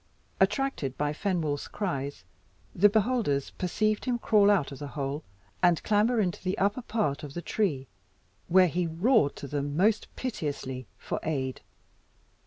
Attracted by Fenwolf's cries, the beholders perceived him crawl out of the hole, and clamber into the upper part of the tree, where he roared to them most piteously for aid.